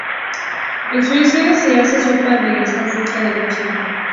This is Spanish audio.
En Suecia se hace sopa de esta fruta del bosque.